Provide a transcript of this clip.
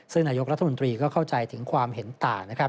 ซึ่งนายกรัฐมนตรีเข้าใจถึงความเห็นต่าง